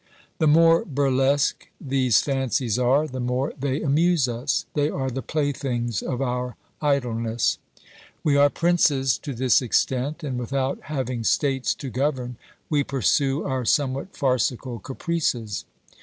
The more burlesque these fancies are the more they amuse us ; they are the playthings of our idleness. We are 358 OBERMANN princes to this extent, and, without having states to govern, we pursue our somewhat farcical caprices.